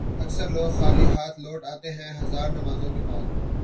اکثر لوگ خالی ہاتھ لوٹ آتے ہیں ہزار نمازوں کے بعد